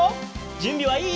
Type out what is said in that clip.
じゅんびはいい？